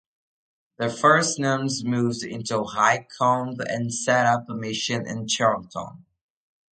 The first nuns moved into Highcombe and set up a mission in Charlton.